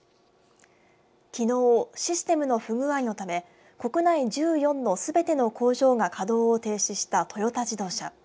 きのう、システムの不具合のため国内１４のすべての工場が稼働を停止したトヨタ自動車。